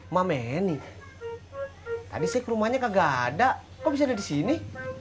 mama ini tadi saya ke rumahnya kagak ada kok bisa ada di sini